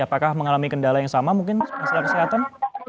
apakah mengalami kendala yang sama mungkin masalah kesehatan